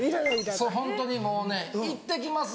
ホントにもうね「いってきます」